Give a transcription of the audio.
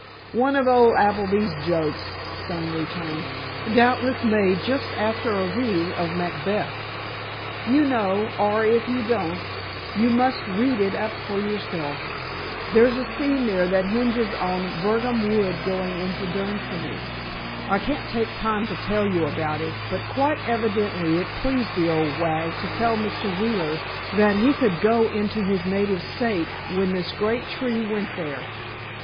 "One of old Appleby's jokes," Stone returned. "Doubtless made just after a reading of 'Macbeth.' You know, or if you don't, you must read it up for yourself, there's a scene there that hinges on Birnam Wood going to Dunsinane. I can't take time to tell you about it, but quite evidently it pleased the old wag to tell Mr. Wheeler that he could go into his native state when this great tree went there."